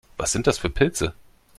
Was sind das für Pilze?